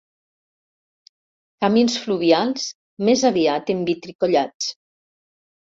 Camins fluvials més aviat envitricollats.